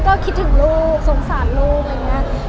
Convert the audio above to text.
ก็คิดถึงลูกสงสัยลูก